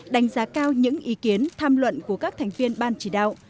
đánh giá cao những ý kiến tham luận của các thành viên ban chỉ đạo